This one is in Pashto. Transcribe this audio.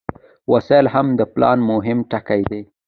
وسایل هم د پلان مهم ټکي دي.